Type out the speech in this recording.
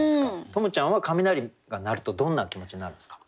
十夢ちゃんは雷が鳴るとどんな気持ちになるんですか？